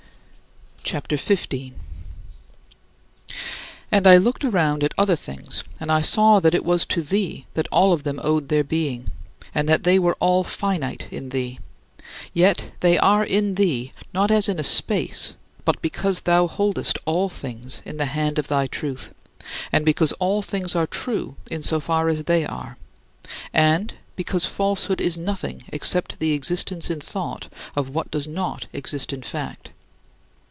CHAPTER XV 21. And I looked around at other things, and I saw that it was to thee that all of them owed their being, and that they were all finite in thee; yet they are in thee not as in a space, but because thou holdest all things in the hand of thy truth, and because all things are true in so far as they are; and because falsehood is nothing except the existence in thought of what does not exist in fact.